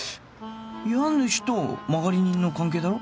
家主と間借り人の関係だろ？